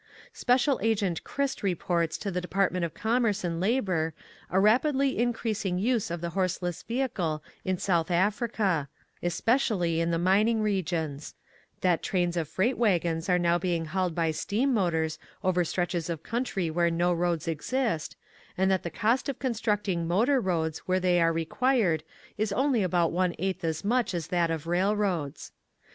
Special Agent Crist reports to the Deoartment of Commerce and Labor a rapidly increasing use of the horseless vehicle in South Africa, especially in the mining regions ; that trains of freight wagons are now being hauled by steam motors over stretches of countrv where no roads exist, and that the cost of con structing motor roads where they are required is only about one eighth as much as that of railroads.